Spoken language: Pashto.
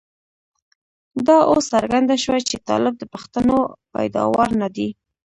دا اوس څرګنده شوه چې طالب د پښتنو پيداوار نه دی.